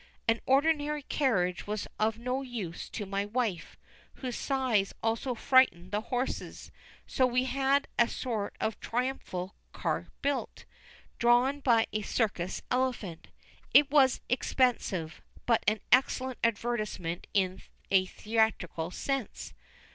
An ordinary carriage was of no use to my wife, whose size also frightened the horses; so we had a sort of triumphal car built, drawn by a circus elephant. It was expensive, but an excellent advertisement in a theatrical sense.